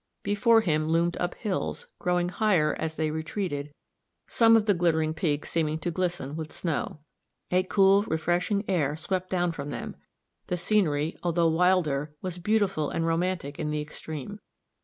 Before him loomed up hills, growing higher as they retreated, some of the glittering peaks seeming to glisten with snow. A cool, refreshing air swept down from them; the scenery, although wilder, was beautiful and romantic in the extreme.